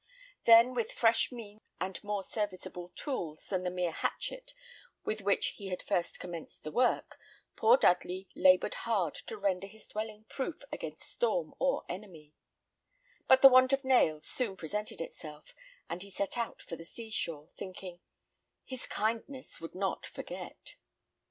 Then, with fresh means and more serviceable tools than the mere hatchet with which he had first commenced the work, poor Dudley laboured hard to render his dwelling proof against storm or enemy; but the want of nails soon presented itself, and he set out for the sea shore, thinking, "His kindness would not forget."